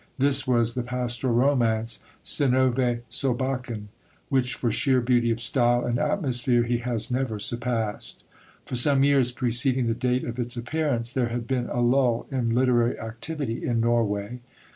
This was the pastoral romance, Synnövé Solbakken, which for sheer beauty of style and atmosphere he has never surpassed. For some years preceding the date of its appearance there had been a lull in literary activity in Norway.